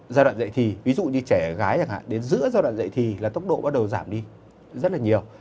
giai đoạn dạy thì ví dụ như trẻ gái chẳng hạn đến giữa giai đoạn dạy thì là tốc độ bắt đầu giảm đi rất là nhiều